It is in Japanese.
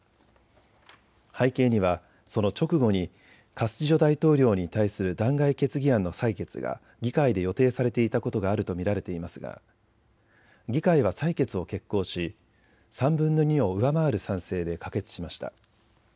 背景にはその直後にカスティジョ大統領に対する弾劾決議案の採決が議会で予定されていたことがあると見られていますが、議会は採決を決行し３分の２を上回る賛成で可決しました。